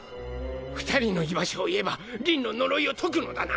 ２人の居場所を言えばりんの呪いを解くのだな！？